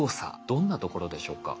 どんなところでしょうか？